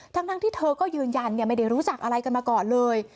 ทั้งที่เธอก็ยืนยันไม่ได้รู้จักอะไรกันมาก่อนเลย